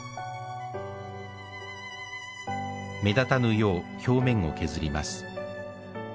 目立たぬよう表面を削ります。